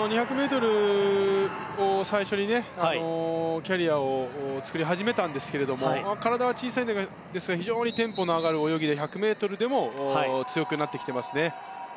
２００ｍを最初にキャリアを作り始めたんですが体は小さいんですが非常にテンポの上がる泳ぎで１００ｍでも強くなってきていますね。